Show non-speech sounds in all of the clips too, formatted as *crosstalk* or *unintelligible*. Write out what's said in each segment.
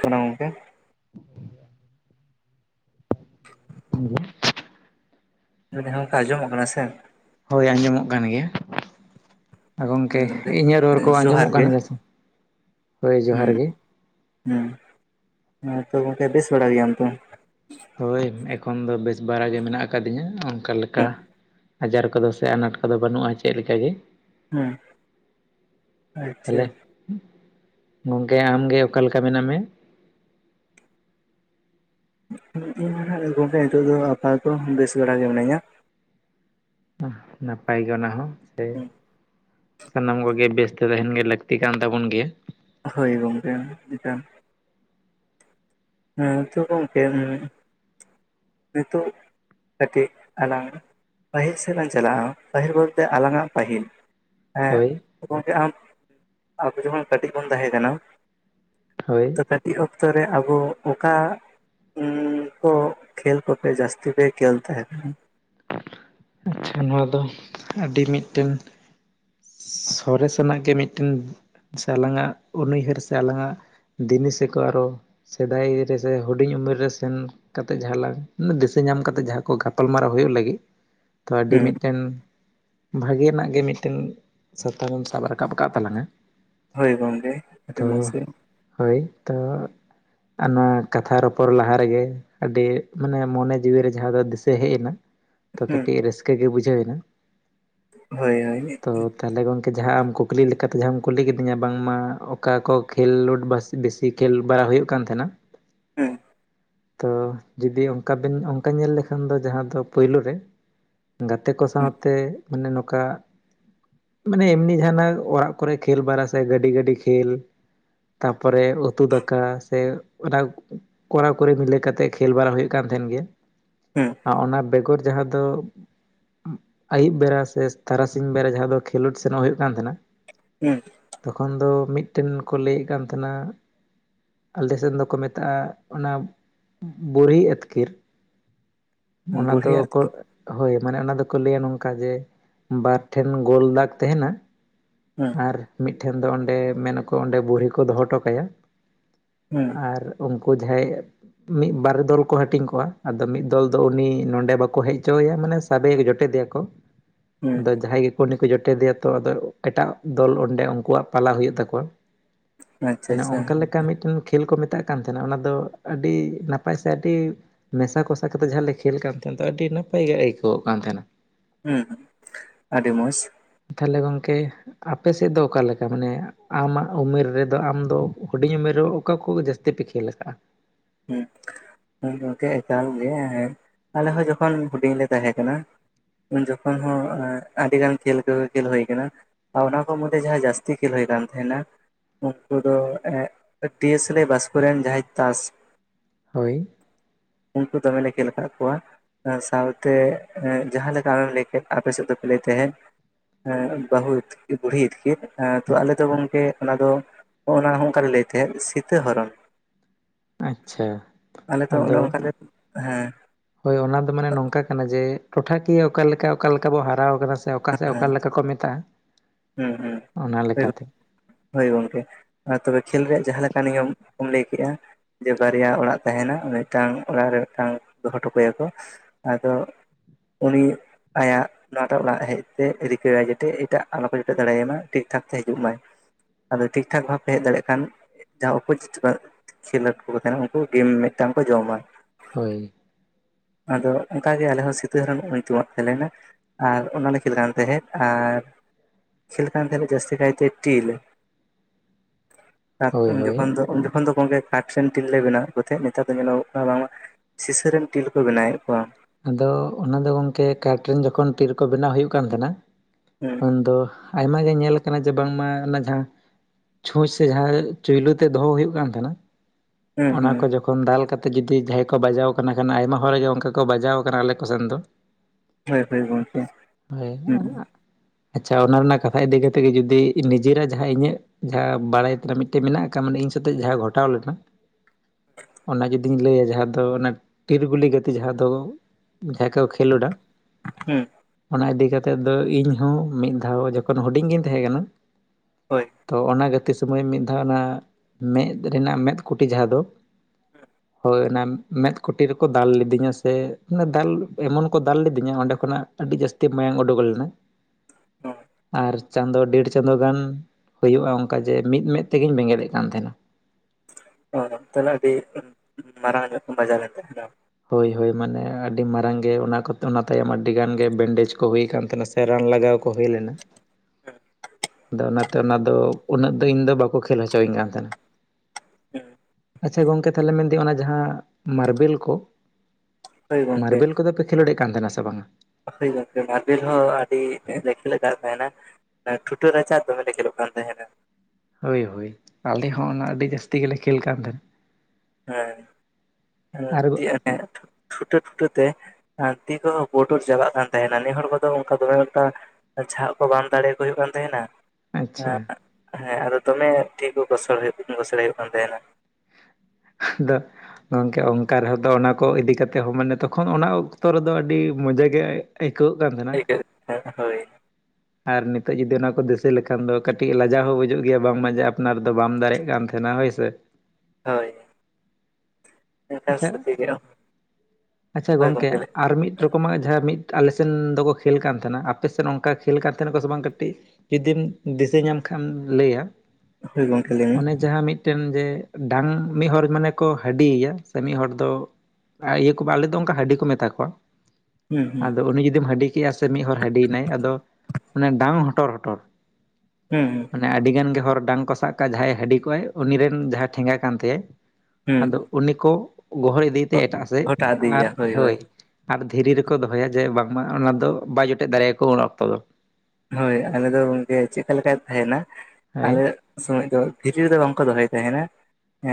ᱠᱟᱱᱟ ᱜᱚᱝᱠᱮ᱾ *unintelligible* *inaudible* *unintelligible* ᱮᱱ ᱨᱮᱦᱚᱸ ᱚᱱᱠᱟ ᱟᱸᱡᱚᱢᱚᱜ ᱠᱟᱱᱟ ᱥᱮ᱾ ᱦᱳᱭ ᱟᱸᱡᱚᱢᱚᱜ ᱠᱟᱱ ᱜᱮᱭᱟ᱾ ᱟ ᱜᱚᱝᱠᱮ ᱤᱧᱟᱹᱜ ᱨᱚᱲ ᱠᱚ ᱡᱚᱦᱟᱨ ᱟᱸᱡᱚᱢᱚᱜ ᱠᱟᱱ ᱜᱮ ᱜᱮᱭᱟ ᱥᱮ, ᱦᱳᱭ ᱡᱚᱦᱟᱨ ᱦᱩᱸ ᱜᱮ᱾ ᱦᱩᱸ, ᱦᱮᱸ ᱛᱚ ᱜᱚᱝᱠᱮ ᱵᱮᱥ ᱵᱟᱲᱟ ᱜᱮᱭᱟᱢ ᱛᱚ? ᱦᱳᱭ ᱮᱠᱷᱚᱱ ᱫᱚ ᱵᱮᱥ ᱵᱟᱲᱟ ᱜᱮ ᱢᱮᱱᱟᱜ ᱟᱠᱟ ᱫᱤᱧᱟᱹ ᱚᱱᱠᱟ ᱞᱮᱠᱟ᱾ ᱟᱡᱟᱨ ᱠᱚᱫᱚ ᱥᱮ ᱟᱱᱟᱴ ᱠᱚᱫᱚ ᱵᱟᱹᱱᱩᱜ-ᱟ ᱪᱮᱜ ᱞᱮᱠᱟ ᱜᱮ᱾ ᱦᱩᱸ ᱟᱪᱪᱷᱟ᱾ ᱛᱟᱦᱚᱞᱮ ᱜᱚᱝᱠᱮ ᱟᱢ ᱜᱮ ᱚᱠᱟ ᱞᱮᱠᱟ ᱢᱮᱱᱟᱜ ᱢᱮ? ᱤᱼᱤᱧ ᱦᱚᱸ ᱱᱟᱦᱟᱸᱜ ᱜᱚᱝᱠᱮ ᱱᱤᱛᱚᱜ ᱫᱚ ᱟᱯᱟ ᱠᱚ ᱵᱮᱥ ᱵᱟᱲᱟ ᱜᱮ ᱢᱤᱱᱟᱹᱧᱟ᱾ ᱟᱦ ᱱᱟᱯᱟᱭ ᱜᱮ ᱚᱱᱟ ᱦᱚᱸ ᱥᱮ ᱥᱟᱱᱟᱢ ᱠᱚᱜᱮ ᱵᱮᱥ ᱛᱮ ᱛᱟᱦᱮᱱ ᱜᱮ ᱞᱟᱹᱠᱛᱤ ᱠᱟᱱ ᱛᱟᱵᱚᱱ ᱜᱮᱭᱟ᱾ ᱦᱳᱭ ᱜᱚᱝᱠᱮ ᱮᱠᱟᱞ᱾ ᱦᱩᱸ ᱦᱤᱸᱛᱩᱜ ᱜᱚᱝᱠᱮ ᱩᱢᱻ ᱱᱤᱛᱚᱜ ᱠᱟᱹᱴᱤᱡ ᱟᱞᱟᱝ ᱯᱟᱹᱦᱤᱞ ᱥᱮᱜ ᱞᱟᱝ ᱪᱟᱞᱟᱜ-ᱟ ᱯᱟᱦᱤᱞ ᱵᱚᱞᱛᱮ ᱟᱞᱟᱝᱟᱜ ᱯᱟᱹᱦᱤᱞ᱾ ᱦᱳᱭ᱾ ᱛᱚ ᱜᱚᱝᱠᱮ ᱟᱢ ᱟᱵᱚ ᱡᱚᱠᱷᱚᱱ ᱠᱟᱹᱴᱤᱡ ᱵᱚᱱ ᱛᱟᱦᱮᱸ ᱠᱟᱱᱟ᱾ ᱦᱳᱭ᱾ ᱛᱚ ᱠᱟᱹᱴᱤᱡ ᱚᱠᱛᱚ ᱨᱮ ᱟᱵᱚ ᱚᱠᱟ ᱠᱚ ᱩᱸᱻ ᱠᱷᱮᱞ ᱠᱚᱯᱮ ᱡᱟᱹᱥᱛᱤ ᱯᱮ ᱠᱷᱮᱞ ᱛᱟᱦᱮᱸᱱᱟ? ᱟᱪᱪᱷᱟ ᱱᱚᱣᱟ ᱫᱚ ᱟᱹᱰᱤ ᱢᱤᱫᱴᱮᱱ ᱥᱚᱨᱮᱥ ᱟᱱᱟᱜ ᱜᱮ ᱢᱤᱫᱴᱮᱱ ᱥᱮ ᱟᱞᱟᱝᱟᱜ ᱩᱱᱩᱭᱦᱟᱹᱨ ᱥᱮ ᱟᱞᱟᱝᱟᱜ ᱫᱤᱱᱤ ᱥᱮᱠᱚ ᱟᱨᱚ ᱥᱮᱫᱟᱭ ᱨᱮᱥᱮ ᱦᱩᱰᱤᱧ ᱩᱢᱮᱨ ᱨᱮ ᱥᱮᱱ ᱠᱟᱛᱮᱜ ᱡᱟᱦᱟᱸ ᱞᱟᱝ ᱫᱤᱥᱟᱹ ᱧᱟᱢ ᱠᱟᱛᱮᱜ ᱡᱟᱦᱟᱸ ᱠᱚ ᱜᱟᱯᱟᱞ ᱢᱟᱨᱟᱣ ᱦᱩᱭᱩᱜ ᱞᱟᱹᱜᱤᱜ ᱛᱚ ᱟᱹᱰᱤ ᱦᱩᱸ ᱢᱤᱫᱴᱮᱱ ᱵᱷᱟᱜᱮ ᱭᱟᱱᱟᱜ ᱜᱮ ᱢᱤᱫᱴᱮᱱ ᱥᱟᱛᱟᱢ ᱮᱢ ᱥᱟᱵ ᱨᱟᱠᱟᱵ ᱟᱠᱟᱜ ᱛᱟᱞᱟᱝᱟ᱾ ᱦᱳᱭ ᱜᱚᱝᱠᱮ ᱟᱹᱰᱤ ᱢᱚᱡᱽ ᱛᱚ ᱜᱮ᱾ ᱦᱳᱭ ᱛᱚ ᱟᱨ ᱱᱚᱣᱟ ᱠᱟᱛᱷᱟ ᱨᱚᱯᱚᱲ ᱞᱟᱦᱟ ᱨᱮᱜᱮᱼᱼ ᱟᱹᱰᱤ ᱢᱟᱱᱮ ᱢᱚᱱᱮ ᱡᱤᱣᱤ ᱨᱮ ᱡᱟᱦᱟᱸ ᱫᱚ ᱫᱤᱥᱟᱹ ᱦᱮᱡ ᱮᱱᱟ᱾ ᱛᱚ ᱦᱩᱸ ᱠᱟᱹᱴᱤᱡ ᱨᱟᱹᱥᱠᱟᱹ ᱜᱮ ᱵᱩᱡᱷᱟᱹᱣ ᱮᱱᱟ᱾ ᱦᱳᱭ ᱦᱳᱭ ᱛᱚ *unintelligible* ᱛᱟᱦᱚᱞᱮ ᱜᱚᱝᱠᱮ ᱡᱟᱦᱟᱸ ᱟᱢ ᱠᱩᱠᱞᱤ ᱞᱮᱠᱟ ᱛᱮ ᱡᱟᱦᱟᱸᱢ ᱠᱩᱞᱤ ᱠᱤᱫᱤᱧᱟ ᱵᱟᱝ ᱢᱟ ᱚᱠᱟ ᱠᱚ ᱠᱷᱮᱞᱳᱰ ᱵᱟᱥ ᱵᱮᱥᱤ ᱠᱷᱮᱞ ᱵᱟᱲᱟ ᱦᱩᱭᱩᱜ ᱠᱟᱱ ᱛᱮᱦᱮᱱᱟ᱾ ᱦᱩᱸ᱾ ᱛᱚ ᱡᱩᱫᱤ ᱚᱱᱠᱟ ᱵᱮᱱ ᱚᱱᱠᱟ ᱧᱮᱞ ᱞᱮᱠᱷᱟᱱ ᱫᱚ ᱡᱟᱦᱟᱸ ᱫᱚ ᱯᱳᱭᱞᱳ ᱨᱮ, ᱜᱟᱛᱮ ᱠᱚ ᱥᱟᱶᱛᱮ ᱢᱟᱱᱮ ᱱᱚᱠᱟ ᱢᱟᱱᱮ ᱮᱢᱱᱤ ᱡᱟᱦᱟᱸᱱᱟᱜ ᱚᱲᱟᱜ ᱠᱚᱨᱮ ᱠᱷᱮᱞ ᱵᱟᱲᱟ ᱥᱮ ᱜᱟᱹᱰᱤ ᱜᱟᱹᱰᱤ ᱠᱷᱮᱞ, ᱛᱟᱯᱚᱨᱮ ᱩᱛᱩ ᱫᱟᱠᱟ ᱥᱮ ᱚᱱᱟ ᱠᱚᱲᱟ ᱠᱩᱲᱮ ᱢᱤᱞᱟᱹᱣ ᱠᱟᱛᱮᱫ ᱠᱷᱮᱞ ᱵᱟᱲᱟ ᱦᱩᱭᱩᱜ ᱠᱟᱱ ᱛᱮᱦᱮᱸᱱ ᱜᱮᱭᱟ᱾ ᱦᱮᱸ᱾ ᱟᱨ ᱚᱱᱟ ᱵᱮᱜᱚᱨ ᱡᱟᱦᱟᱸ ᱫᱚ ᱩᱸᱜ ᱟᱹᱭᱩᱵ ᱵᱮᱲᱟ ᱥᱮ ᱛᱟᱨᱟᱥᱤᱧ ᱵᱮᱲᱟ ᱡᱟᱦᱟᱸ ᱫᱚ ᱠᱷᱮᱞᱳᱰ ᱥᱮᱱᱚᱜ ᱦᱩᱭᱩᱜ ᱠᱟᱱ ᱛᱮᱦᱮᱱᱟ, ᱦᱩᱸ᱾ ᱛᱚᱠᱷᱚᱱ ᱫᱚ ᱢᱤᱫᱴᱮᱱ ᱠᱚ ᱞᱟᱹᱭᱮᱫ ᱠᱟᱱ ᱛᱟᱦᱮᱱᱟ, ᱟᱞᱮ ᱥᱮᱱ ᱫᱚᱠᱚ ᱢᱮᱛᱟᱜᱼᱟ ᱚᱱᱟ ᱵᱩᱲᱦᱤ ᱟᱹᱛᱠᱤᱨ᱾ ᱦᱩᱸ ᱚᱱᱟ ᱫᱚ ᱵᱩᱲᱦᱤ ᱠᱚ ᱟᱫᱷᱤ ᱦᱳᱭ ᱢᱟᱱᱮ ᱚᱱᱟ ᱫᱚᱠᱚ ᱞᱟᱹᱭᱟ ᱱᱚᱝᱠᱟ ᱜᱮ ᱵᱟᱨ ᱴᱷᱮᱱ ᱜᱳᱞ ᱫᱟᱜᱽ ᱛᱟᱦᱮᱱᱟ ᱦᱩᱸ᱾ ᱟᱨ ᱢᱤᱫᱴᱷᱮᱱ ᱫᱚ ᱚᱸᱰᱮ ᱢᱮᱱ ᱟᱠᱚ ᱚᱸᱰᱮ ᱵᱩᱲᱦᱤ ᱠᱚ ᱫᱚᱦᱚ ᱦᱚᱴᱚ ᱠᱟᱭᱟ, ᱦᱩᱸ ᱟᱨ ᱩᱱᱠᱩ ᱡᱟᱦᱟᱸᱭ ᱢᱤᱫ ᱵᱟᱨ ᱫᱚᱞ ᱠᱚ ᱦᱟᱹᱴᱤᱧ ᱠᱚᱜᱼᱟ, ᱟᱫᱚ ᱢᱤᱫ ᱫᱚᱞ ᱫᱚ ᱩᱱᱤ ᱱᱚᱰᱮ ᱵᱟᱠᱚ ᱦᱮᱡ ᱪᱟ ᱟᱭᱟ ᱢᱟᱱᱮ ᱥᱟᱵᱮ ᱡᱚᱴᱮᱫᱮᱭᱟ ᱠᱚ ᱦᱩᱸ ᱟᱫᱚ ᱡᱟᱦᱟᱸᱭ ᱜᱮᱠᱚ ᱩᱱᱤ ᱠᱚ ᱡᱚᱴᱮᱫᱮᱭᱟ ᱛᱚ ᱟᱫᱚ ᱮᱴᱟᱜ ᱫᱚᱞ ᱚᱸᱰᱮ ᱩᱱᱠᱩᱣᱟᱜ ᱯᱟᱞᱟ ᱦᱩᱭᱩᱜ ᱛᱟᱠᱚᱣᱟ᱾ *inaudible* ᱟᱪᱪᱷᱟ *unintelligible* ᱟᱪᱪᱷᱟ ᱚᱱᱠᱟ ᱞᱮᱠᱟ ᱠᱟ ᱢᱤᱫᱴᱮᱱ ᱠᱷᱮᱞ ᱠᱚ ᱢᱮᱛᱟᱜ ᱠᱟᱱ ᱛᱟᱦᱮᱱᱟ ᱚᱱᱟ ᱫᱚ ᱟᱹᱰᱤ ᱱᱟᱯᱟᱭ ᱥᱮ ᱟᱹᱰᱤ ᱢᱮᱥᱟ ᱠᱚᱥᱟ ᱠᱟᱛᱮ ᱡᱟᱦᱟᱸ ᱞᱮ ᱠᱷᱮᱞ ᱠᱟᱱ ᱛᱟᱦᱮᱱ ᱫᱚ ᱟᱹᱰᱤ ᱱᱟᱯᱟᱭ ᱜᱮ ᱟᱹᱭᱠᱟᱹᱣᱚᱜ ᱠᱟᱱ ᱛᱟᱦᱮᱱᱟ᱾ ᱦᱮᱸ ᱦᱩᱸ ᱟᱹᱰᱤ ᱢᱚᱸᱡᱽ᱾ ᱛᱟᱦᱞᱮ ᱜᱚᱝᱠᱮ ᱟᱯᱮ ᱥᱮᱫ ᱫᱚ ᱚᱠᱟᱞᱮᱠᱟ ᱢᱟᱱᱮ ᱟᱢᱟᱜ ᱩᱢᱮᱨ ᱨᱮᱫᱚ ᱟᱢᱫᱚ ᱦᱩᱰᱤᱧ ᱩᱢᱮᱨ ᱨᱮ ᱚᱠᱟ ᱠᱚᱜᱮ ᱡᱟᱹᱥᱛᱤ ᱯᱮ ᱠᱷᱮᱞ ᱠᱟᱜᱼᱟ? ᱦᱩᱸ, ᱦᱩᱸ ᱜᱚᱝᱠᱮ ᱮᱠᱟᱞ ᱜᱮ ᱟᱞᱮ ᱦᱚᱸ ᱡᱚᱠᱷᱚᱱ ᱦᱩᱰᱤᱧ ᱞᱮ ᱛᱟᱦᱮᱸ ᱠᱟᱱᱟ ᱩᱱ ᱡᱚᱠᱷᱚᱱ ᱦᱚᱸ ᱟᱹᱰᱤ ᱜᱟᱱ ᱠᱷᱮᱞ ᱠᱚᱜᱮ ᱠᱷᱮᱞ ᱦᱩᱭ ᱟᱠᱟᱱᱟ᱾ ᱟᱨ ᱚᱱᱟ ᱠᱚ ᱢᱚᱫᱽᱫᱷᱮ ᱡᱟᱦᱟᱸ ᱡᱟᱹᱥᱛᱤ ᱠᱷᱮᱞ ᱦᱩᱭ ᱠᱟᱱ ᱛᱟᱦᱮᱱᱟ, ᱩᱱᱠᱩ ᱫᱚ ᱮᱸᱜ ᱴᱤᱭᱟᱹ ᱥᱤᱞᱟᱹᱭ ᱵᱟᱥᱠᱚ ᱨᱮᱱ ᱡᱟᱦᱟᱸᱭ ᱛᱟᱥ᱾ ᱦᱳᱭ᱾ ᱩᱱᱠᱩ ᱫᱚᱢᱮ ᱞᱮ ᱠᱷᱮᱞ ᱟᱠᱟᱫ ᱠᱚᱣᱟ᱾ ᱚᱱᱟ ᱥᱟᱶᱛᱮ ᱮᱸ ᱡᱟᱦᱟᱸ ᱞᱮᱠᱟ ᱟᱢᱮᱢ ᱞᱟᱹᱭ ᱠᱮᱫ ᱟᱯᱮ ᱥᱮᱫ ᱫᱚᱯᱮ ᱞᱟᱹᱭ ᱛᱟᱦᱮᱸᱫ ᱮᱸᱜ ᱵᱟᱦᱩ ᱟᱛᱠᱤᱨ ᱵᱲᱦᱤᱛ ᱟᱛᱠᱤᱨ᱾ ᱮᱸ ᱛᱚ ᱦᱳᱭ ᱟᱞᱮ ᱫᱚ ᱜᱚᱝᱠᱮ ᱚᱱᱟ ᱫᱚ ᱦᱚᱸᱜ-ᱚᱱᱟ ᱦᱚᱸᱜ-ᱚᱱᱠᱟ ᱞᱮ ᱞᱟᱹᱭ ᱛᱟᱦᱮᱸᱫ ᱥᱤᱛᱟᱹ ᱦᱚᱨᱚᱱ᱾ ᱟᱪᱪᱷᱟ ᱟᱞᱮ ᱛᱚ ᱚᱱᱮ ᱟᱫᱚ ᱚᱱᱠᱟ ᱞᱮ, ᱦᱮᱸ᱾ ᱦᱳᱭ ᱚᱱᱟ ᱫᱚ ᱢᱟᱱᱮ ᱱᱚᱝᱠᱟ ᱠᱟᱱᱟ ᱡᱮ ᱴᱚᱴᱷᱟᱠᱤᱭᱟᱹ ᱚᱠᱟ ᱞᱮᱠᱟ ᱚᱠᱟ ᱞᱮᱠᱟ ᱵᱚ ᱦᱟᱨᱟᱣ ᱠᱟᱱᱟ ᱥᱮ ᱚᱠᱟ ᱥᱮᱫ ᱚᱠᱟ ᱦᱮᱸ ᱞᱮᱠᱟ ᱠᱚ ᱢᱮᱛᱟᱜᱼᱟ, ᱦᱩᱸ ᱦᱩᱸ ᱚᱱᱟ ᱞᱮᱠᱟᱛᱮ᱾ ᱦᱳᱭ ᱜᱚᱝᱠᱮ ᱟᱨ ᱛᱚᱵᱮ ᱠᱷᱮᱞ ᱨᱮᱭᱟᱜ ᱡᱟᱦᱟᱸ ᱞᱮᱠᱟ ᱱᱤᱭᱚᱢ ᱠᱚᱢ ᱞᱟᱹᱭ ᱠᱮᱜᱼᱟ ᱡᱮ ᱵᱟᱨᱭᱟ ᱚᱲᱟᱜ ᱛᱟᱦᱮᱱᱟ ᱢᱤᱫᱴᱟᱝ ᱚᱲᱟᱜ ᱨᱮ ᱢᱤᱫᱴᱟᱝ ᱫᱚᱦᱚ ᱴᱚ ᱠᱟᱭᱟ ᱠᱚ ᱟᱫᱚ ᱩᱱᱤ ᱟᱭᱟᱜ ᱱᱚᱣᱟᱴᱟᱜ ᱚᱲᱟᱜ-ᱮ ᱦᱮᱡ *unintelligible* ᱨᱤᱠᱟᱹᱭᱟᱭ ᱡᱟᱛᱮ ᱮᱴᱟᱜ ᱟᱞᱚ ᱠᱚ ᱡᱮᱴᱮᱫ ᱫᱟᱲᱮᱭᱟᱭᱢᱟ, ᱴᱷᱤᱠ ᱴᱷᱟᱠ ᱛᱮ ᱦᱤᱡᱩᱜ ᱢᱟᱭ᱾ ᱟᱫᱚ ᱴᱷᱤᱠ ᱴᱷᱟᱠ ᱵᱷᱟᱵᱛᱮ ᱦᱮᱡ ᱫᱟᱲᱮᱜ ᱠᱷᱟᱱ ᱡᱟᱦᱟᱸ ᱳᱯᱳᱡᱤᱴ *inaudible* ᱠᱷᱮᱞᱳᱰ ᱠᱚᱠᱚ ᱛᱟᱦᱮᱱᱟ ᱩᱱᱠᱩ ᱜᱮᱢ ᱢᱤᱫᱴᱟᱝ ᱠᱚ ᱡᱚᱢᱟ᱾ ᱦᱳᱭ᱾ ᱟᱫᱚ ᱚᱱᱠᱟ ᱜᱮ ᱟᱞᱮ ᱦᱚᱸ ᱥᱤᱛᱟᱹ ᱦᱚᱨᱚᱱ ᱧᱩᱛᱩᱢᱟᱜ ᱛᱟᱦᱮᱸ ᱞᱮᱱᱟ ᱟᱨ ᱚᱱᱟ ᱞᱮ ᱠᱷᱮᱞ ᱠᱟᱱ ᱛᱟᱦᱮᱸᱫ ᱟᱨ ᱠᱷᱮᱞ ᱠᱟᱱ ᱛᱟᱦᱮᱸᱫ ᱞᱮ ᱡᱟᱹᱥᱛᱤ ᱠᱟᱭᱛᱮ ᱴᱤᱞ᱾ ᱦᱳᱭ ᱩᱱ ᱦᱳᱭ ᱡᱚᱠᱷᱚᱱ ᱫᱚ ᱩᱱ ᱡᱚᱠᱷᱚᱱ ᱫᱚ ᱜᱚᱝᱠᱮ ᱠᱟᱴᱷ ᱨᱮᱱ ᱴᱤᱞ ᱞᱮ ᱵᱮᱱᱟᱣᱮᱫ ᱠᱚ ᱛᱟᱦᱮᱸᱫ᱾ ᱱᱮᱛᱟᱨ ᱫᱚ ᱧᱮᱞᱚᱜᱚᱜ ᱠᱟᱱᱟ ᱵᱟᱝᱢᱟ ᱥᱤᱥᱟᱹ ᱨᱮᱱ ᱴᱤᱞ ᱠᱚ ᱵᱮᱱᱟᱣᱮᱫ ᱠᱚᱣᱟ᱾ ᱟᱫᱚ ᱚᱱᱟ ᱫᱚ ᱜᱚᱢᱠᱮ ᱠᱟᱴ ᱨᱮᱱ ᱡᱚᱠᱷᱚᱱ ᱴᱤᱨ ᱠᱚ ᱵᱮᱱᱟᱣ ᱦᱩᱭᱩᱜ ᱠᱟᱱ ᱛᱟᱦᱮᱸᱱᱟ ᱦᱮᱸ᱾ ᱩᱱᱫᱚ ᱟᱭᱢᱟ ᱜᱮ ᱧᱮᱞ ᱟᱠᱟᱱᱟ ᱡᱮ ᱵᱟᱝᱢᱟ ᱚᱱᱟ ᱡᱟᱦᱟᱸ ᱪᱷᱩᱸᱪ ᱥᱮ ᱡᱟᱦᱟᱸ ᱪᱩᱭᱞᱩ ᱛᱮᱫ ᱫᱚᱦᱚ ᱦᱩᱭᱩᱜ ᱠᱟᱱ ᱛᱟᱦᱮᱸᱱᱟ, ᱦᱩᱸ ᱚᱱᱟ ᱦᱩᱸ ᱠᱚ ᱡᱚᱠ ᱠᱷᱚᱱ ᱫᱟᱞ ᱠᱟᱛᱮ ᱡᱩᱫᱤ ᱡᱟᱦᱟᱸᱭ ᱠᱚ ᱵᱟᱡᱟᱣ ᱠᱟᱱᱟ ᱠᱷᱟᱱ ᱟᱭᱢᱟ ᱦᱚᱲᱜᱮ ᱚᱱᱠᱟ ᱠᱚ ᱵᱟᱡᱟᱣ ᱠᱟᱱᱟ ᱟᱞᱮ ᱠᱚ ᱥᱮᱱ ᱫᱚ᱾ ᱦᱳᱭ ᱦᱳᱭ ᱜᱚᱝᱠᱮ ᱦᱳᱭ ᱧ ᱦᱟᱸᱜ ᱦᱩᱸ ᱟᱫᱚ ᱱᱟᱜ ᱟᱪᱪᱷᱟ ᱚᱱᱟ ᱨᱮᱱᱟᱜ ᱠᱟᱛᱷᱟ ᱤᱫᱤ ᱠᱟᱛᱮᱜ ᱜᱮ ᱡᱩᱫᱤ ᱱᱤᱡᱮᱨᱟᱜ ᱡᱟᱦᱟᱸ ᱤᱧᱟᱹᱜ-ᱼ ᱡᱟᱦᱟᱸ ᱵᱟᱲᱟᱭ ᱛᱮᱱᱟᱜ ᱢᱤᱫᱴᱮᱡ ᱢᱮᱱᱟᱜ ᱟᱠᱟᱫᱟ ᱢᱟᱱᱮ ᱤᱧ ᱥᱟᱛᱮᱜ ᱡᱟᱦᱟᱸ ᱜᱷᱚᱴᱟᱣ ᱞᱮᱱᱟ᱾ ᱦᱮ᱾ ᱚᱱᱟ ᱡᱩᱫᱤᱧ ᱞᱟᱹᱭᱟ ᱡᱟᱦᱟᱸ ᱫᱚ ᱚᱱᱟ ᱴᱤᱨ ᱜᱩᱞᱤ ᱜᱟᱛᱮ ᱡᱟᱦᱟᱸ ᱫᱚ ᱡᱟᱦᱟᱭ ᱠᱚ ᱠᱷᱮᱞᱳᱰᱟ᱾ ᱦᱮᱸ᱾ ᱚᱱᱟ ᱤᱫᱤ ᱠᱟᱛᱮᱫ ᱫᱚ ᱤᱧ ᱦᱚᱸ ᱢᱤᱫ ᱫᱷᱟᱣ ᱡᱚᱠᱷᱚᱱ ᱦᱩᱰᱤᱧ ᱜᱤᱧ ᱛᱟᱦᱮᱸ ᱠᱟᱱᱟ ᱦᱳᱭ ᱛᱚ ᱚᱱᱟ ᱜᱟᱛᱮ ᱥᱚᱢᱚᱭ ᱢᱤᱫ ᱫᱷᱟᱣ ᱚᱱᱟ ᱢᱮᱸᱫ ᱨᱮᱱᱟᱜ ᱢᱮᱫ ᱠᱩᱴᱤ ᱡᱟᱦᱟᱸ ᱫᱚ *inaudible* ᱦᱳᱭ ᱚᱱᱟ ᱢᱮᱫ ᱠᱩᱴᱤ ᱨᱮᱠᱚ ᱫᱟᱞ ᱞᱤᱫᱤᱧᱟ ᱥᱮ ᱢᱟᱱᱮ ᱫᱟᱞ ᱮᱢᱚᱱ ᱠᱚ ᱫᱟᱞ ᱞᱤᱫᱤᱧᱟ ᱚᱸᱰᱮ ᱠᱷᱚᱱᱟᱜ ᱟᱹᱰᱤ ᱡᱟᱹᱥᱛᱤ ᱢᱟᱭᱟᱝ ᱩᱰᱩᱠᱚᱞ ᱞᱮᱱᱟ᱾ *inaudible* ᱟᱨ ᱪᱟᱸᱫᱚ ᱰᱮᱲ ᱪᱟᱸᱫᱳ ᱜᱟᱱ ᱦᱩᱭᱩᱜᱼᱟ ᱚᱱᱠᱟ ᱡᱮ ᱢᱤᱫ ᱢᱮᱫ ᱛᱮᱜᱮᱧ ᱵᱮᱸᱜᱮᱫ ᱮᱫ ᱠᱟᱱ ᱛᱟᱦᱮᱱᱟ᱾ ᱚ ᱛᱟᱦᱚᱞᱮ ᱟᱹᱰᱤ ᱢᱟᱨᱟᱝ ᱧᱚᱜ ᱵᱟᱡᱟ ᱞᱮᱱ ᱛᱟᱦᱮᱱᱟᱢ᱾ ᱦᱳᱭ-ᱦᱳᱭ ᱢᱟᱱᱮ ᱟᱹᱰᱤ ᱢᱟᱨᱟᱝ ᱜᱮ ᱚᱱᱟ ᱠᱚ ᱛᱮ ᱚᱱᱟ ᱛᱟᱭᱚᱢ ᱟᱹᱰᱤ ᱜᱟᱱ ᱜᱮ ᱵᱮᱱᱰᱮᱡᱽ ᱠᱚ ᱦᱩᱭ ᱟᱠᱟᱱ ᱛᱟᱱᱟ ᱥᱮ᱾ ᱥᱮ ᱨᱟᱱ ᱞᱟᱜᱟᱣ ᱠᱚ ᱦᱩᱭ ᱞᱮᱱᱟ᱾ *inaudible* ᱟᱫᱚ ᱚᱱᱟᱛᱮ ᱚᱱᱟ ᱫᱚ ᱩᱱᱟᱹᱜ ᱫᱚ ᱤᱧ ᱫᱚ ᱵᱟᱠᱚ ᱠᱷᱮᱞ ᱦᱚᱪᱚᱤᱧ ᱠᱟᱱ ᱛᱟᱦᱮᱱᱟ᱾ *inaudible* ᱟᱪᱪᱷᱟ ᱜᱚᱝᱠᱮ ᱛᱟᱦᱚᱞᱮ ᱢᱮᱱᱫᱟᱹᱧ ᱚᱱᱟ ᱡᱟᱦᱟᱸ ᱢᱟᱨᱵᱮᱞ ᱠᱚ, ᱦᱳᱭ ᱢᱟᱨᱵᱮᱞ ᱠᱚᱫᱚ ᱯᱮ ᱠᱷᱮᱞᱳᱰᱮᱫ ᱠᱟᱱ ᱛᱟᱦᱮᱱᱟ ᱥᱮ ᱵᱟᱝᱟ? ᱦᱚᱭ ᱜᱚᱝᱠᱮ ᱢᱟᱨᱵᱮᱞ ᱦᱚᱸ ᱟᱹᱰᱤ ᱞᱮ ᱠᱷᱮᱞ ᱟᱠᱟᱫ ᱛᱟᱦᱮᱱᱟ᱾ ᱦᱮᱸ ᱴᱷᱩᱴᱟᱹ ᱨᱟᱪᱟ ᱫᱚᱢᱮ ᱞᱮ ᱠᱷᱮᱞᱳᱜ ᱠᱟᱱ ᱛᱟᱦᱮᱱᱟ᱾ ᱦᱳᱭ-ᱦᱳᱭ᱾ ᱟᱞᱮ ᱦᱚᱸ ᱚᱱᱟ ᱟᱹᱰᱤ ᱡᱟᱹᱥᱛᱤ ᱜᱮ ᱞᱮ ᱠᱷᱮᱞ ᱠᱟᱱ ᱛᱟᱦᱮᱱ᱾ ᱦᱮᱸ ᱟᱫᱚ ᱟᱨ ᱛᱤ ᱚᱱᱮ ᱴᱷᱩᱴᱟᱹ ᱴᱷᱩᱴᱟᱹ ᱛᱮ ᱟᱨ ᱛᱤ ᱠᱚᱦᱚᱸ ᱯᱩᱴᱩᱨ ᱪᱟᱵᱟᱜ ᱠᱟᱱ ᱛᱟᱦᱮᱱᱟ᱾ ᱱᱮ ᱦᱚᱲ ᱠᱚᱫᱚ ᱚᱱᱠᱟ ᱫᱚᱢᱮ ᱚᱱᱠᱟ ᱡᱷᱟᱜ ᱠᱚ ᱵᱟᱢ ᱫᱟᱲᱮᱭᱟᱠᱚ ᱦᱩᱭᱩᱜ ᱠᱟᱱ ᱛᱟᱦᱮᱱᱟ᱾ ᱟᱪᱪᱷᱟ ᱦᱮᱸ᱾ ᱦᱮᱸ ᱟᱫᱚ ᱫᱚᱢᱮ ᱛᱤ ᱠᱚ ᱜᱚᱥᱚᱲ ᱦᱚᱭᱩᱜ ᱜᱚᱥᱲᱮ ᱦᱩᱭᱩᱜ ᱠᱟᱱ ᱛᱟᱦᱮᱱᱟ᱾ *unintelligible* ᱜᱚᱢᱠᱮ ᱚᱱᱠᱟ ᱨᱮᱦᱚᱸ ᱫᱚ ᱚᱱᱟ ᱠᱚ ᱤᱫᱤ ᱠᱟᱛᱮ ᱦᱚᱸ ᱢᱟᱱᱮ ᱛᱚᱠᱷᱚᱱ ᱚᱱᱟ ᱚᱠᱛᱚ ᱨᱮᱫᱚ ᱟᱹᱰᱤ ᱢᱚᱡᱟᱜ ᱜᱮ ᱟᱹᱭᱠᱟᱹᱣᱟᱹᱜ ᱠᱟᱱ ᱛᱟᱦᱮᱱᱟ᱾ ᱟᱹᱭᱠᱟᱹᱜ *inaudible* ᱟᱨ ᱱᱤᱛᱚᱜ ᱡᱩᱫᱤ ᱚᱱᱟ ᱠᱚ ᱫᱤᱥᱟᱹ ᱞᱮᱠᱷᱟᱱ ᱫᱚ ᱠᱟᱹᱴᱤᱡ ᱞᱟᱡᱟᱣ ᱦᱚᱸ ᱵᱩᱡᱩᱜ ᱜᱮᱭᱟ ᱵᱟᱝᱢᱟ ᱡᱮ ᱟᱯᱱᱟᱨ ᱫᱚ ᱵᱟᱢ ᱫᱟᱲᱮᱜ ᱠᱟᱱ ᱛᱟᱦᱮᱱᱟ ᱦᱳᱭ ᱥᱮ᱾ ᱦᱳᱭ᱾ ᱮᱱᱠᱷᱟᱱ ᱟᱪᱪᱷᱟ, ᱥᱟᱹᱛᱤ ᱜᱮ ᱟᱪᱪᱷᱟ ᱦᱳᱭ ᱜᱚᱝᱠᱮ ᱜᱚᱢᱠᱮ ᱟᱨ ᱢᱤᱫ ᱨᱚᱠᱚᱢᱟᱜ ᱡᱟᱦᱟᱸ ᱢᱤᱫ ᱟᱞᱮᱥᱮᱱ ᱫᱚᱠᱚ ᱠᱷᱮᱞ ᱠᱟᱱ ᱛᱟᱦᱮᱱᱟ, ᱟᱯᱮᱥᱮᱫ ᱚᱱᱠᱟ ᱠᱷᱮᱞ ᱠᱟᱱ ᱛᱟᱦᱮᱱ ᱟᱠᱚ ᱥᱮ ᱵᱟᱝ ᱠᱟᱹᱴᱤᱡ ᱡᱩᱫᱤᱢ ᱫᱤᱥᱟᱹ ᱧᱟᱢ ᱠᱷᱟᱱ ᱞᱟᱹᱭᱟ ᱾ ᱦᱳᱭ ᱜᱚᱢᱠᱮ ᱞᱟᱹᱭ *inaudible* ᱢᱮ ᱚᱱᱮ ᱡᱟᱦᱟᱸ ᱢᱤᱫᱴᱮᱱ ᱡᱮ ᱰᱟᱝ ᱢᱤᱫ ᱦᱚᱲ ᱢᱟᱱᱮ ᱠᱚ ᱦᱟᱹᱰᱤᱭᱮᱭᱟ ᱾ ᱥᱮ ᱢᱤᱫ ᱦᱚᱲ ᱫᱚ *inaudible* ᱤᱭᱟᱹ ᱠᱚ ᱟᱞᱮ ᱫᱚ ᱚᱱᱠᱟ ᱦᱟᱹᱰᱤ ᱠᱚ ᱢᱮᱛᱟ ᱠᱚᱣᱟ ᱦᱩᱸ ᱾ ᱦᱩᱸ ᱟᱫᱚ ᱩᱱᱤ ᱡᱩᱫᱤᱢ ᱦᱟᱹᱰᱤ ᱮᱭᱟ ᱥᱮ ᱢᱤᱫ ᱦᱚᱲ ᱦᱟᱹᱰᱤᱭᱮᱱᱟᱭ ᱟᱫᱚ *inaudible* ᱚᱱᱮ ᱰᱟᱝ ᱦᱚᱴᱚᱨ-ᱦᱚᱴᱚᱨ ᱦᱮᱸ ᱦᱮᱸ ᱾ ᱢᱟᱱᱮ ᱟᱹᱰᱤ ᱜᱟᱱ ᱜᱮ ᱦᱚᱲ ᱰᱟᱝ ᱠᱚ ᱥᱟᱵ ᱠᱟᱜᱟ, ᱡᱟᱦᱟᱸᱭᱮ ᱦᱟᱹᱰᱤ ᱠᱚᱜᱟᱭ ᱩᱱᱤ ᱨᱤᱱ ᱡᱟᱦᱟᱸᱭ ᱴᱷᱮᱸᱜᱟ ᱠᱟᱱ ᱛᱟᱭᱟᱭ ᱦᱩᱸ ᱟᱫᱚ ᱩᱱᱤ ᱠᱚ ᱜᱚᱦᱚᱲ ᱤᱫᱤᱭᱮᱛᱮ ᱦᱩᱸ ᱮᱴᱟᱜ ᱥᱮᱫ ᱦᱚᱴᱟᱜ ᱟᱨ ᱤᱫᱤᱭᱮᱭᱟ ᱦᱳᱭ ᱾ ᱟᱨ ᱫᱷᱤᱨᱤ ᱨᱮᱠᱚ ᱫᱚᱦᱚᱭᱟ ᱡᱮ ᱵᱟᱝᱢᱟ ᱚᱱᱟ ᱫᱚ ᱵᱟᱭ ᱡᱚᱴᱮᱫ ᱫᱟᱲᱮᱭᱟᱠᱚ ᱩᱱ ᱚᱠᱛᱚ ᱫᱚ᱾ ᱦᱳᱭ ᱟᱞᱮ ᱫᱚ ᱜᱚᱝᱠᱮ ᱪᱮᱫᱠᱟ ᱞᱮᱠᱟᱭ ᱛᱟᱦᱮᱱᱟ ᱦᱳᱭ ᱟᱞᱮ ᱥᱚᱢᱚᱡ ᱫᱚ ᱫᱷᱤᱨᱤ ᱨᱮᱫᱚ ᱵᱟᱝᱠᱚ ᱫᱚᱦᱚᱭ ᱛᱟᱦᱮᱱᱟ ᱮ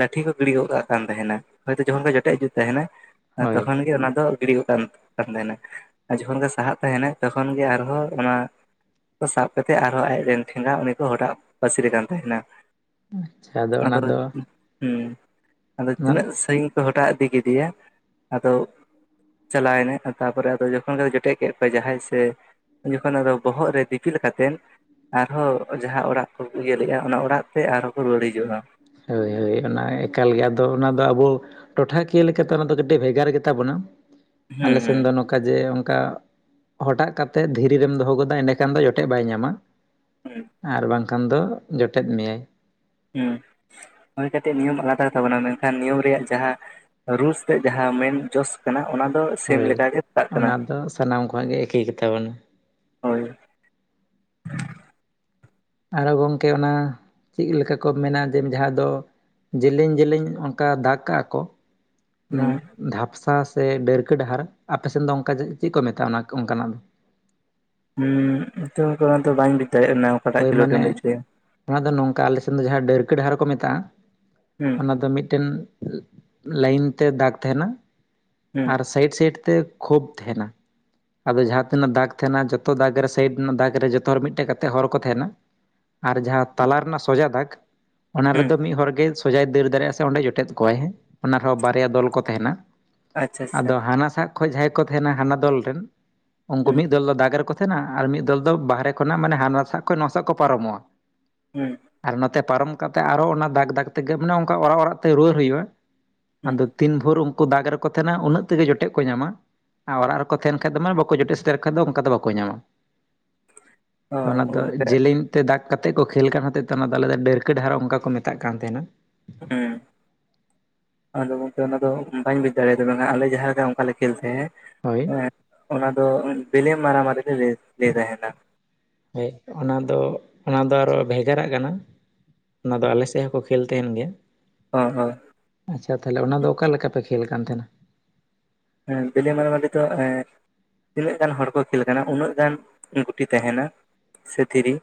ᱞᱟᱹᱴᱷᱤ ᱠᱚ ᱜᱤᱲᱤ ᱠᱚᱜ ᱠᱟᱜ ᱠᱟᱱ ᱛᱟᱦᱮᱱᱟ᱾ ᱦᱚᱭᱛᱚ ᱡᱚᱠᱷᱚᱱ ᱜᱮ ᱡᱚᱴᱮᱫ *unintelligible* ᱛᱟᱦᱮᱱᱟ, ᱦᱳᱭ ᱛᱚᱠᱷᱚᱱ ᱜᱮ ᱚᱱᱟ ᱫᱚ ᱜᱤᱲᱤ ᱜᱚᱫ ᱠᱟᱱ-ᱠᱟᱱ ᱛᱟᱦᱮᱱᱟ *inaudible* ᱟᱨ ᱡᱚᱠᱷᱚᱱ ᱜᱮ ᱥᱟᱦᱟᱜ ᱛᱟᱦᱮᱱᱟᱭ ᱛᱚᱠᱷᱚᱱ ᱜᱮ ᱟᱨᱦᱚᱸ ᱚᱱᱟ *inaudible* ᱠᱚ ᱥᱟᱵ ᱠᱟᱛᱮᱫ ᱟᱨᱦᱚᱸ ᱟᱡ ᱨᱮᱱ ᱴᱷᱮᱸᱜᱟ ᱩᱱᱤ ᱠᱚ ᱦᱚᱴᱟᱜ ᱯᱟᱹᱥᱤᱨ ᱮ ᱠᱟᱱ ᱛᱟᱦᱮᱱᱟ᱾ ᱟᱪᱪᱷᱟ ᱚᱱᱟ ᱟᱫᱚ ᱫᱚ *inaudible* ᱦᱮᱸ ᱟᱫᱚ ᱚᱱᱟ ᱛᱤᱱᱟᱹᱜ ᱥᱟᱺᱜᱤ ᱦᱚᱴᱟᱜ ᱤᱫᱤ ᱠᱮᱫᱮᱭᱟ ᱾ *inaudible* ᱟᱫᱚ ᱪᱟᱞᱟᱣ ᱮᱱᱟᱭ ᱛᱟᱯᱚᱨᱮ ᱟᱫᱚ ᱡᱚᱠᱷᱚᱱ ᱜᱮ ᱡᱚᱴᱮᱫ ᱠᱮᱫ ᱠᱚᱣᱟᱭ ᱡᱟᱦᱟᱸᱭ ᱥᱮ ᱩᱱ ᱡᱚᱠᱷᱚᱱ ᱟᱫᱚ ᱵᱚᱦᱚᱜ ᱨᱮ ᱫᱤᱯᱤᱞ ᱠᱟᱛᱮᱱ ᱟᱨᱦᱚᱸ ᱡᱟᱦᱟᱸ ᱚᱲᱟᱜ ᱠᱚᱠᱚ ᱤᱭᱟᱹ ᱞᱮᱜ-ᱟ ᱚᱱᱟ ᱚᱲᱟᱜ ᱛᱮ ᱟᱨᱦᱚᱸ ᱠᱚ ᱨᱩᱣᱟᱹᱲ ᱦᱤᱡᱩᱜ-ᱟ ᱾ ᱦᱳᱭ ᱦᱳᱭ ᱚᱱᱟ ᱮᱠᱟᱞ ᱜᱮ ᱾ ᱟᱫᱚ ᱚᱱᱟ ᱫᱚ ᱟᱵᱚ ᱴᱚᱴᱷᱟᱠᱤᱭᱟᱹ ᱞᱮᱠᱟᱛᱮ ᱚᱱᱟ ᱫᱚ ᱠᱟᱹᱴᱤᱡ ᱵᱷᱮᱜᱟᱨ ᱜᱮ ᱛᱟᱵᱚᱱᱟ ᱾ *inaudible* ᱦᱩᱸ ᱟᱞᱮ ᱥᱮᱱ ᱦᱩᱸ ᱫᱚ ᱱᱚ ᱠᱟ ᱡᱮ ᱚᱝᱠᱟ *inaudible* ᱦᱚᱴᱟᱜ ᱠᱟᱛᱮᱫ ᱫᱷᱤᱨᱤ ᱨᱮᱢ ᱫᱚᱦᱚ ᱜᱚᱫᱟ ᱮᱸᱰᱮᱠᱷᱟᱱ ᱫᱚ ᱡᱚᱴᱮᱫ ᱵᱟᱭ ᱧᱟᱢᱟ ᱾ ᱦᱩᱸ *inaudible* ᱟᱨ ᱵᱟᱝᱠᱷᱟᱱ ᱫᱚ ᱡᱚᱴᱮᱫ ᱢᱮᱭᱟᱭ ᱾ ᱦᱩᱸ ᱾ *inaudible* ᱦᱩᱭ ᱠᱟᱹᱴᱤᱡ ᱱᱤᱭᱚᱢ ᱟᱞᱟᱫᱟ ᱜᱮ ᱛᱟᱵᱚᱱᱟ, ᱢᱮᱱᱠᱷᱟᱱ ᱱᱤᱭᱚᱢ ᱨᱮᱭᱟᱜ ᱡᱟᱦᱟᱸ ᱨᱩᱞᱥ ᱛᱮᱜ ᱡᱟᱦᱟᱸ ᱢᱮᱹᱱ ᱡᱚᱥ ᱠᱟᱱᱟ ᱚᱱᱟ ᱫᱚ ᱥᱮᱢ ᱦᱳᱭ ᱞᱮᱠᱟᱜᱮ ᱾ ᱪᱟᱞᱟᱜ *inaudible* ᱠᱟᱱᱟ ᱚᱱᱟ ᱫᱚ ᱥᱟᱱᱟᱢ ᱠᱚᱣᱟᱜ ᱜᱮ ᱮᱠᱮ ᱜᱮ ᱛᱟᱵᱚᱱᱟ ᱾ ᱦᱳᱭ ᱾ ᱟᱨᱦᱚ ᱜᱚᱢᱠᱮ ᱚᱱᱟ ᱪᱤᱫ ᱞᱮᱠᱟ ᱠᱚ ᱢᱮᱱᱟ *unintelligible* ᱡᱟᱦᱟ ᱫᱚ ᱡᱮᱞᱮᱧ ᱡᱮᱞᱮᱧ ᱚᱱᱠᱟ ᱫᱟᱜᱽ ᱠᱟᱜ-ᱟ ᱠᱚ ᱚᱱᱟ ᱦᱩᱸ ᱫᱷᱟᱯᱥᱟ ᱥᱮ ᱵᱮᱹᱨᱠᱟ ᱰᱟᱦᱟᱨᱟ, ᱟᱯᱮ ᱥᱮᱱ ᱫᱚ ᱚᱱᱠᱟ ᱪᱤᱫ ᱠᱚ ᱢᱮᱛᱟᱜ-ᱟ ᱚᱱᱟ ᱚᱱᱠᱟᱱᱟᱜ ᱫᱚ? ᱩᱸᱻ *unintelligible* ᱵᱟᱹᱧ ᱵᱩᱡᱽ ᱫᱟᱲᱮᱭᱟᱜᱱᱟ ᱾ ᱦᱳᱭ ᱢᱟᱱᱮ *inaudible* ᱚᱱᱟ ᱫᱚ ᱱᱚᱝᱠᱟ ᱟᱞᱮ ᱥᱮᱱ ᱫᱚ ᱡᱟᱦᱟᱸ ᱰᱟᱹᱨᱠᱟᱹ ᱰᱟᱦᱟᱨ ᱠᱚ ᱢᱮᱛᱟᱜ-ᱟ *inaudible* ᱦᱩᱸ ᱾ ᱟᱫᱚ ᱢᱤᱫᱴᱮᱱ *inaudible* ᱞᱟᱭᱤᱱ ᱛᱮ ᱫᱟᱜ ᱛᱟᱦᱮᱱᱟ ᱦᱩᱸ *inaudible* ᱟᱨ ᱥᱟᱭᱤᱰ ᱥᱟᱭᱤᱰ ᱛᱮ ᱠᱷᱳᱯ ᱛᱟᱦᱮᱱᱟ ᱾ ᱟᱫᱚ ᱡᱟᱦᱟᱸ ᱛᱤᱱᱟᱹᱜ ᱫᱟᱜᱽ ᱛᱟᱦᱮᱱᱟ ᱡᱚᱛᱚ ᱫᱟᱜᱽ ᱨᱮ ᱥᱟᱭᱤᱰ ᱨᱮᱱᱟᱜ ᱫᱟᱜᱽ ᱨᱮ ᱡᱚᱛᱚ ᱦᱚᱲ ᱢᱤᱫᱴᱮᱡ ᱠᱟᱛᱮ ᱦᱚᱲ ᱠᱚ ᱛᱟᱦᱮᱱᱟ ᱾ *inaudible* ᱟᱨ ᱡᱟᱦᱟᱸ ᱛᱟᱞᱟ ᱨᱮᱱᱟᱜ ᱥᱚᱡᱟ ᱫᱟᱜᱽ *inaudible* ᱚᱱᱟ ᱦᱩᱸ ᱨᱮᱫᱚ ᱢᱤᱫ ᱦᱚᱲ ᱜᱮ ᱥᱚᱡᱟᱭ ᱫᱟᱹᱲ ᱫᱟᱲᱮᱜ-ᱟ ᱥᱮ ᱚᱸᱰᱮ ᱡᱚᱴᱮᱫ ᱠᱚᱣᱟᱭ ᱦᱮᱸ, ᱚᱱᱟ ᱨᱮᱦᱚᱸ ᱵᱟᱨᱭᱟ ᱫᱚᱞ ᱠᱚ ᱛᱟᱦᱮᱱᱟ ᱾ ᱟᱪᱪᱷᱟ ᱟᱪᱪᱷᱟ ᱟᱫᱚ ᱦᱟᱱᱟ ᱥᱟᱜ ᱠᱷᱚᱡ ᱡᱟᱦᱟᱸᱭ ᱠᱚ ᱛᱟᱦᱮᱱᱟ ᱦᱟᱱᱟ ᱫᱚᱞ ᱨᱮᱱ ᱩᱱᱠᱩ ᱦᱩᱸ ᱢᱤᱫ ᱫᱚᱞ ᱫᱚ ᱫᱟᱜᱽ ᱨᱮᱠᱚ ᱛᱟᱦᱮᱱᱟ ᱟᱨ ᱢᱤᱫ ᱫᱚᱞ ᱫᱚ ᱵᱟᱦᱨᱮ ᱠᱷᱚᱱᱟᱜ ᱢᱟᱱᱮ ᱦᱟᱱᱟ ᱥᱟᱜ ᱠᱷᱚ ᱱᱚᱣᱟᱥᱟᱜ ᱠᱷᱚ ᱯᱟᱨᱚᱢᱚᱜ-ᱟ ᱾ ᱦᱩᱸ ᱾ ᱟᱨ ᱱᱚᱛᱮ ᱯᱟᱨᱚᱢ ᱠᱟᱛᱮ ᱟᱨᱚ ᱚᱱᱟ ᱫᱟᱜᱽ ᱫᱟᱜᱽ ᱛᱮᱜᱮ ᱢᱟᱱᱮ ᱚᱱᱠᱟ ᱚᱨᱟᱜ ᱚᱨᱟᱜ ᱛᱮ ᱨᱩᱣᱟᱹᱨ ᱦᱩᱭᱩᱜ-ᱟ ᱾ ᱦᱩᱸ ᱟᱫᱚ ᱛᱤᱱ ᱵᱷᱳᱨ ᱩᱱᱠᱩ ᱫᱟᱜᱽ ᱨᱮᱠᱚ ᱛᱟᱦᱮᱱᱟ ᱩᱱᱟᱹᱜ ᱛᱮᱜᱮ ᱡᱚᱴᱮᱜ ᱠᱚ ᱧᱟᱢᱟ ᱾ ᱟᱨ ᱚᱨᱟᱜ ᱨᱮᱠᱚ ᱛᱟᱦᱮᱱ ᱠᱷᱟᱡ ᱫᱚ ᱢᱟ ᱵᱟᱠᱚ ᱡᱚᱴᱮᱫ ᱥᱴᱮᱨ ᱠᱷᱟᱡ ᱫᱚ ᱚᱱᱠᱟ ᱫᱚ ᱵᱟᱠᱚ ᱧᱟᱢᱟ ᱾ ᱚ ᱛᱚ ᱜᱚᱝᱠᱮ ᱡᱮᱞᱮᱧ ᱛᱮ ᱫᱟᱜᱽ ᱠᱟᱛᱮᱫ ᱠᱚ ᱠᱷᱮᱞ ᱠᱟᱱ ᱦᱚᱛᱮᱫ ᱛᱮ ᱚᱱᱟᱫᱚ ᱟᱞᱮ ᱫᱚ ᱰᱟᱹᱨᱠᱟᱹ ᱰᱟᱦᱟᱨ ᱚᱱᱠᱟ ᱠᱚ ᱢᱮᱛᱟᱜ ᱠᱟᱱ ᱛᱟᱦᱮᱱᱟ ᱾ ᱦᱩᱸ ᱟᱫᱚ ᱜᱚᱝᱠᱮ ᱚᱱᱟ ᱫᱚ ᱵᱟᱹᱧ ᱵᱩᱡ ᱫᱟᱲᱮᱭᱟ *unintelligible* ᱟᱞᱮ ᱡᱟᱦᱟᱸ ᱞᱮᱠᱟ ᱚᱱᱠᱟᱞᱮ ᱠᱷᱮᱞ ᱛᱟᱦᱮᱸᱫ ᱦᱳᱭ ᱚᱱᱟ ᱫᱚ ᱵᱮᱞᱮ ᱢᱟᱨᱟ ᱢᱟᱨᱤ ᱞᱮ ᱞᱟᱹᱭ ᱛᱟᱦᱮᱱᱟ ᱾ ᱦᱳᱭ ᱚᱱᱟ ᱫᱚ ᱚᱱᱟ ᱫᱚ ᱟᱨᱚ ᱵᱷᱮᱜᱟᱨᱟᱜ ᱠᱟᱱᱟ᱾ ᱚᱱᱟ ᱫᱚ ᱟᱞᱮ ᱥᱮᱡ ᱦᱚᱸᱠᱚ ᱠᱷᱮᱞ ᱛᱟᱦᱮᱱ ᱜᱮᱭᱟ ᱾ *inaudible* ᱟᱪᱪᱷᱟ ᱛᱟᱦᱚᱞᱮ ᱚᱱᱟ ᱫᱚ ᱚᱠᱟ ᱞᱮᱠᱟ ᱯᱮ ᱠᱷᱮᱹᱞ ᱠᱟᱱ ᱛᱟᱦᱮᱱᱟ? ᱮᱸ ᱵᱮᱞᱮ ᱢᱟᱨᱟ ᱢᱟᱨᱤ ᱫᱚ *inaudible* ᱛᱤᱱᱟᱹᱜ ᱜᱟᱱ ᱦᱚᱲ ᱠᱚ ᱠᱷᱮᱞ ᱠᱟᱱᱟ ᱩᱱᱟᱹᱜ ᱜᱟᱱ ᱜᱩᱴᱤ ᱛᱟᱦᱤᱱᱟ ᱥᱮ ᱫᱷᱤᱨᱤ᱾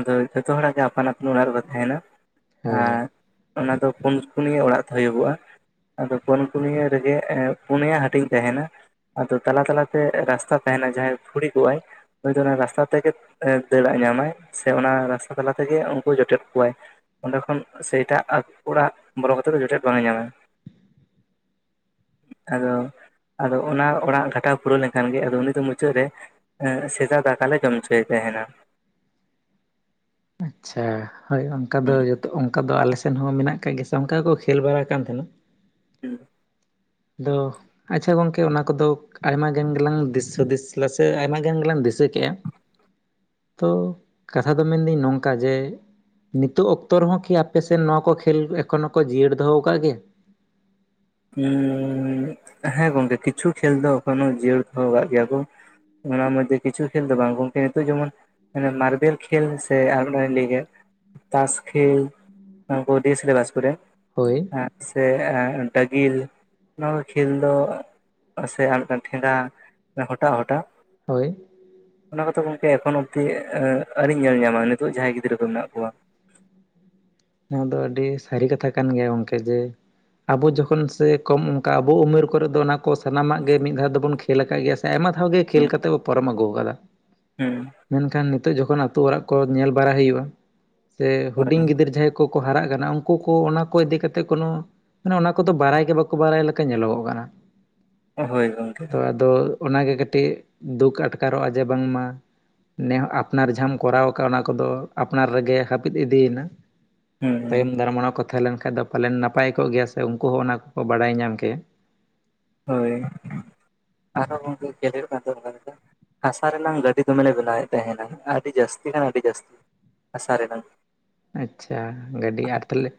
ᱟᱫᱚ ᱡᱚᱛᱚ ᱦᱚᱲᱟᱜ ᱜᱮ ᱟᱯᱟᱱ ᱟᱹᱯᱤᱱ ᱚᱲᱟᱜ ᱨᱮᱠᱚ ᱛᱟᱦᱮᱱᱟ, ᱦᱳᱭ ᱟᱨ ᱚᱱᱟ ᱫᱚ ᱯᱳᱱ ᱠᱩᱱᱤᱭᱟᱹ ᱚᱲᱟᱜ ᱦᱳᱭᱳᱜᱚᱜ-ᱟ ᱟᱫᱚ ᱯᱳᱱ ᱠᱩᱱᱤᱭᱟᱹ ᱨᱮᱜᱮ ᱯᱳᱱᱭᱟ ᱦᱟᱹᱴᱤᱧ ᱛᱟᱦᱮᱱᱟ ᱟᱫᱚ ᱛᱟᱞᱟ ᱛᱟᱞᱟᱛᱮ ᱨᱟᱥᱛᱟ ᱛᱟᱦᱮᱱᱟ ᱡᱟᱦᱟᱸᱭ ᱯᱷᱩᱲᱤ ᱠᱚᱜᱟᱭ ᱱᱩᱭ ᱫᱚ ᱚᱱᱟ ᱨᱟᱥᱛᱟ ᱛᱮᱜᱮ ᱫᱟᱹᱲᱟᱜ ᱧᱟᱢᱟᱭ ᱥᱮ ᱚᱱᱟ ᱨᱟᱥᱛᱟ ᱛᱟᱞᱟ ᱛᱮᱜᱮ ᱩᱱᱠᱩ ᱡᱚᱴᱮᱫ ᱠᱚᱣᱟᱭ᱾ ᱚᱸᱰᱮ ᱠᱷᱚᱱ ᱥᱮ ᱮᱴᱟᱜ ᱚᱲᱟᱜ ᱵᱚᱞᱚ ᱠᱟᱛᱮ ᱫᱚ ᱡᱚᱴᱮᱫ ᱵᱟᱝᱮᱢ ᱧᱟᱢᱟ᱾ ᱟᱫᱚ ᱟᱫᱚ ᱚᱱᱟ ᱚᱲᱟᱜ ᱜᱷᱟᱴᱟᱣ ᱯᱩᱨᱟᱹᱣ ᱞᱮᱱᱠᱷᱟᱱ ᱜᱮ ᱟᱫᱚ ᱩᱱᱤ ᱫᱚ ᱢᱩᱪᱟᱹᱫ ᱨᱮ ᱥᱮᱫᱟ ᱫᱟᱠᱟ ᱞᱮ ᱡᱚᱢ ᱦᱚᱪᱚᱭᱮ ᱛᱟᱦᱮᱱᱟ᱾ ᱟᱪᱪᱷᱟ ᱦᱳᱭ ᱚᱱᱠᱟ ᱫᱚ ᱡᱚᱛᱚ ᱚᱱᱠᱟ ᱫᱚ ᱟᱞᱮ ᱥᱮᱱ ᱦᱚᱸ ᱢᱮᱱᱟᱜ ᱠᱟᱫ ᱜᱮᱭᱟ ᱥᱮ ᱚᱱᱠᱟ ᱠᱚ ᱠᱷᱮᱞ ᱵᱟᱲᱟ ᱠᱟᱱ ᱛᱟᱦᱮᱱᱟ᱾ *inaudible* ᱟᱫᱚ ᱟᱪᱪᱷᱟ ᱜᱚᱝᱠᱮ ᱚᱱᱟ ᱠᱚᱫᱚ ᱟᱭᱢᱟ ᱜᱟᱱ ᱜᱮᱞᱟᱝ ᱫᱤᱥ ᱦᱩᱫᱤᱥ ᱥᱮ *inaudible* ᱟᱭᱢᱟ ᱜᱟᱱ ᱜᱮᱞᱟᱝ ᱫᱤᱥᱟᱹ ᱠᱮᱜ-ᱟ᱾ ᱛᱳ ᱠᱟᱛᱷᱟ ᱫᱚ ᱢᱮᱱᱫᱟᱹᱧ ᱱᱚᱝᱠᱟ ᱡᱮ ᱱᱤᱛᱠᱜ ᱚᱠᱛᱚ ᱨᱮᱦᱚᱸ ᱠᱤ ᱟᱯᱮ ᱥᱮᱱ ᱱᱚᱣᱟ ᱠᱚ ᱠᱷᱮᱞ ᱮᱠᱷᱚᱱᱚ ᱠᱚ ᱡᱤᱭᱟᱹᱲ ᱫᱚᱦᱚ ᱠᱟᱜ ᱜᱮᱭᱟ? *unintelligible* ᱦᱮᱸ ᱜᱚᱢᱠᱮ ᱠᱤᱪᱷᱩ ᱠᱷᱮᱞ ᱫᱚ ᱮᱠᱷᱚᱱᱚ ᱡᱤᱭᱟᱹᱲ ᱫᱚᱦᱚ ᱠᱟᱜ ᱜᱮᱭᱟ ᱠᱚ᱾ ᱚᱱᱟ ᱢᱚᱽᱫᱷᱮ ᱠᱤᱪᱷᱩ ᱠᱷᱮᱞ ᱫᱚ ᱵᱟᱝ ᱜᱚᱢᱠᱮ ᱦᱮᱛᱳᱜ ᱡᱮᱢᱚᱱ ᱢᱟᱱᱮ ᱢᱟᱨᱵᱮᱞ ᱠᱷᱮᱞ ᱥᱮ ᱟᱨ *unintelligible* ᱛᱟᱥ ᱠᱷᱮᱞ ᱚᱱᱟ ᱠᱚ ᱰᱤᱭᱟᱹ ᱥᱤᱞᱟᱹᱭᱵᱟᱥᱠᱚ ᱨᱮ ᱦᱳᱭ ᱾ ᱥᱮ ᱰᱟᱹᱜᱤᱞ ᱱᱚᱣᱟ ᱠᱚ ᱠᱷᱮᱞ ᱫᱚ ᱥᱮ ᱟᱨ ᱢᱤᱫᱴᱟᱝ ᱴᱷᱮᱸᱜᱟ ᱦᱚᱴᱟᱜ ᱦᱚᱴᱟᱜ ᱦᱳᱭ᱾ ᱚᱱᱟ ᱠᱚᱛᱚ ᱜᱚᱝᱠᱮ ᱮᱠᱷᱚᱱ ᱚᱵᱫᱤ ᱟᱹᱨᱤᱧ ᱧᱮᱞ ᱧᱟᱢᱟ ᱱᱤᱛᱚᱜ ᱡᱟᱦᱟᱸᱭ ᱜᱤᱫᱽᱨᱟᱹ ᱠᱚ ᱢᱮᱱᱟᱜ ᱠᱚᱣᱟ ᱾ ᱱᱚᱣᱟ ᱫᱚ ᱟᱹᱰᱤ ᱥᱟᱹᱨᱤ ᱠᱟᱛᱷᱟ ᱠᱟᱱ ᱜᱮᱭᱟ ᱜᱚᱢᱠᱮ ᱡᱮ ᱟᱵᱚ ᱡᱚᱠᱷᱚᱱ ᱥᱮ ᱠᱚᱢ ᱚᱱᱠᱟ ᱟᱵᱚ ᱩᱢᱮᱨ ᱠᱚᱨᱮ ᱫᱚ ᱚᱱᱟ ᱠᱚ ᱥᱟᱱᱟᱢᱟᱜ ᱜᱮ ᱢᱤᱫ ᱫᱷᱟᱣ ᱫᱚᱵᱚᱱ ᱠᱷᱮᱞ ᱟᱠᱟᱫ ᱜᱮᱭᱟ ᱥᱮ ᱟᱭᱢᱟ ᱦᱚ ᱜᱮ ᱠᱷᱮᱞ ᱠᱟᱛᱮ ᱵᱚ ᱯᱟᱨᱚᱢ ᱟᱹᱜᱩ ᱟᱠᱟᱫᱟ ᱾ ᱦᱩᱸ ᱢᱮᱱᱠᱷᱟᱱ ᱱᱤᱛᱚᱜ ᱡᱚᱠᱷᱚᱱ ᱟᱛᱳ ᱚᱲᱟᱜ ᱠᱚ ᱧᱮᱞ ᱵᱟᱲᱟ ᱦᱩᱭᱩᱜ-ᱟ ᱥᱮ ᱦᱳᱭ ᱦᱩᱰᱤᱧ ᱜᱤᱫᱟᱹᱨ ᱡᱟᱦᱟᱸᱭ ᱠᱚᱠᱚ ᱦᱟᱨᱟᱜ ᱠᱟᱱᱟ ᱩᱱᱠᱩ ᱠᱚ ᱚᱱᱟ ᱠᱚ ᱤᱫᱤ ᱠᱟᱛᱮ ᱠᱳᱱᱳ ᱢᱟᱱᱮ ᱚᱱᱟ ᱠᱚᱫᱚ ᱵᱟᱲᱟᱭ ᱜᱮ ᱵᱟᱠᱚ ᱵᱟᱲᱟᱭ ᱞᱮᱠᱟ ᱧᱮᱞᱚᱜᱚᱜ ᱠᱟᱱᱟ ᱦᱳᱭ ᱜᱚᱝᱠᱮ ᱛᱚ ᱟᱫᱚ ᱚᱱᱟᱜᱮ ᱠᱟᱹᱴᱤᱡ ᱫᱩᱠ ᱟᱴᱠᱟᱨᱚᱜ-ᱟ ᱡᱮ ᱵᱟᱝᱢᱟ ᱱᱮᱦ ᱟᱯᱱᱟᱨ ᱡᱟᱦᱟᱸᱢ ᱠᱚᱨᱟᱣ ᱟᱠᱟᱫ ᱚᱱᱟ ᱠᱚᱫᱚ ᱟᱯᱱᱟᱨ ᱨᱮᱜᱮ ᱦᱟᱹᱯᱤᱫ ᱤᱫᱤᱭᱮᱱᱟ ᱾ *unintelligible* ᱛᱟᱭᱚᱢ ᱫᱟᱨᱟᱢᱟᱱᱟ ᱠᱚ ᱛᱟᱦᱮᱸ ᱞᱮᱱ ᱠᱷᱟᱡ ᱫᱚ ᱯᱟᱞᱮᱱ ᱱᱟᱯᱟᱭ ᱠᱚᱜ ᱜᱮᱭᱟ ᱥᱮ ᱩᱱᱠᱩ ᱦᱚᱸ ᱚᱱᱟ ᱠᱚᱠᱚ ᱵᱟᱲᱟᱭ ᱧᱟᱢ ᱠᱮᱭᱟ ᱾ ᱦᱳᱭ ᱟᱨᱦᱚ ᱜᱚᱝᱠᱮ ᱠᱷᱮᱞ ᱦᱩᱭᱩᱜ ᱠᱟᱱ ᱛᱟᱦᱮᱱᱟ ᱚᱝᱠᱟ ᱞᱮᱠᱟ ᱾ ᱦᱟᱥᱟ ᱨᱮᱱᱟᱝ ᱜᱟᱹᱰᱤ ᱫᱚᱢᱮᱞᱮ ᱵᱮᱱᱟᱣᱮᱫ ᱛᱟᱦᱮᱱᱟ ᱟᱹᱰᱤ ᱡᱟᱹᱥᱛᱤ ᱠᱷᱟᱱ ᱟᱹᱰᱤ ᱡᱟᱹᱥᱛᱤ ᱦᱟᱥᱟ ᱨᱮᱱᱟᱝ ᱾ ᱟᱪᱪᱷᱟ ᱜᱟᱹᱰᱤ ᱟᱨ ᱛᱟᱦᱚᱞᱮ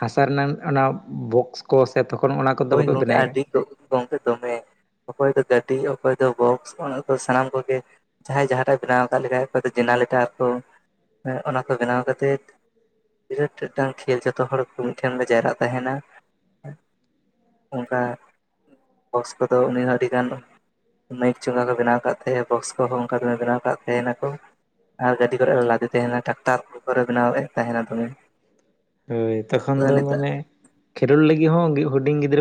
ᱦᱟᱥᱟ ᱨᱮᱱᱟᱝ ᱚᱱᱟ ᱵᱚᱠᱥ ᱠᱚ ᱥᱮ ᱛᱚᱠᱷᱚᱱ ᱚᱱᱟ ᱠᱚᱫᱚ ᱵᱟᱠᱚ ᱵᱮᱱᱟᱣᱮᱫ ᱜᱚᱢᱠᱮ ᱫᱚᱢᱮ ᱚᱠᱚᱭ ᱫᱚ ᱜᱟᱹᱰᱤ ᱚᱠᱚᱭ ᱫᱚ ᱵᱚᱠᱥ ᱚᱱᱟ ᱫᱚ ᱥᱟᱱᱟᱢ ᱠᱚᱜᱮ ᱡᱟᱦᱟᱸᱭ ᱡᱟᱦᱟᱸᱴᱟᱜ ᱵᱮᱱᱟᱣ ᱟᱠᱟᱫ ᱞᱮᱠᱷᱟᱡ ᱚᱠᱚᱭ ᱫᱚ ᱡᱮᱱᱟᱞᱤᱴᱟᱨ ᱠᱚ ᱚᱱᱟ ᱠᱚ ᱵᱮᱱᱟᱣ ᱠᱟᱛᱮᱫ, ᱵᱤᱨᱟᱹᱴ ᱢᱤᱫᱴᱟᱝ ᱠᱷᱮᱞ ᱡᱚᱛᱚ ᱦᱚᱲ ᱠᱚ ᱢᱤᱫᱴᱷᱮᱱ ᱞᱮ ᱡᱟᱣᱨᱟᱜ ᱛᱟᱦᱮᱱᱟ᱾ ᱚᱱᱠᱟ ᱵᱚᱠᱥ ᱠᱚᱫᱚ ᱩᱱᱤ ᱦᱚᱸ ᱟᱹᱰᱤᱜᱟᱱ ᱢᱟᱹᱭᱤᱠ ᱪᱚᱸᱜᱟ ᱠᱚ ᱵᱮᱱᱟᱣ ᱟᱠᱟᱫ ᱛᱟᱦᱮᱸᱱᱟ ᱵᱚᱠᱥ ᱠᱚᱦᱚᱸ ᱚᱱᱠᱟ ᱵᱮᱱᱟᱣ ᱟᱠᱟᱫ ᱛᱟᱦᱮᱸᱱᱟ ᱠᱚ᱾ ᱟᱨ ᱜᱟᱹᱰᱤ ᱠᱚᱨᱮᱫ ᱞᱮ ᱞᱟᱫᱮ ᱛᱟᱦᱮᱱᱟ ᱴᱟᱠᱴᱟᱨ ᱠᱚᱨᱮ ᱵᱮᱱᱟᱣᱮᱫ ᱛᱟᱦᱮᱱᱟ ᱫᱚᱢᱮ᱾ ᱦᱳᱭ ᱛᱚᱠᱷᱚᱱ ᱟᱫᱚ ᱫᱚ ᱱᱤᱛᱚᱜ ᱢᱟᱱᱮ ᱠᱷᱮᱞᱳᱰ ᱞᱟᱹᱜᱤᱫ ᱦᱚᱸ ᱦᱩᱰᱤᱧ ᱜᱤᱫᱽᱨᱟᱹ